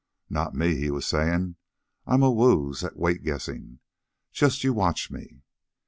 "Not me," he was saying. "I'm a wooz at weight guessin'. Just you watch me."